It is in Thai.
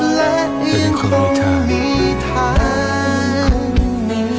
และยังคงมีทางนี้